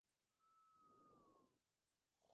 Está situado en el área central meridional del krai.